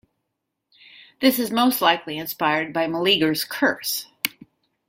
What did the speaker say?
This is most likely inspired by Meleager's curse.